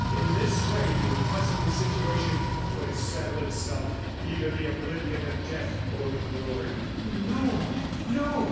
In this way the impossible situation would settle itself either the oblivion of death or glory. "No, no!"